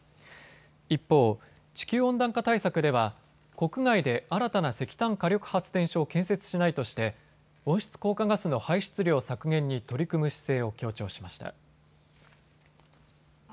一方、地球温暖化対策では国外で新たな石炭火力発電所を建設しないとして温室効果ガスの排出量削減に取り組む姿勢を強調しました。